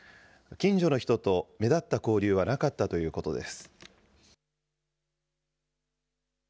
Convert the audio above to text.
近所の人と目立った交流はなかったということです。